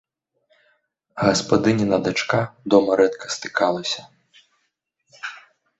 Гаспадыніна дачка дома рэдка стыкалася.